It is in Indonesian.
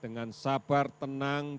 dengan sabar tenang